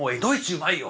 うまいよ。